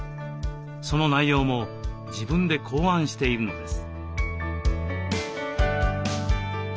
その内容も自分で考案しているのです。